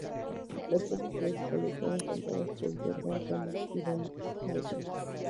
Las voces principales fueron cantadas por Jordan Knight y Donnie Wahlberg.